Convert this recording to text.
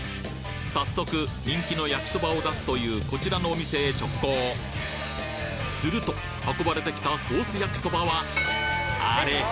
早速人気の焼きそばを出すというこちらのお店へ直行すると運ばれてきたソース焼きそばはあれ！？